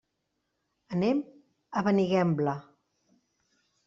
Anem a Benigembla.